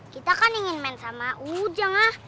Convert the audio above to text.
kita kan ingin main sama ujang lah